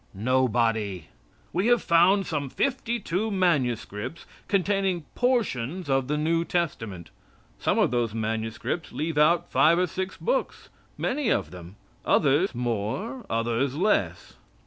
Nobody! We have found some fifty two manuscripts containing portions of the New Testament. Some of those manuscripts leave out five or six books many of them. Others more others less.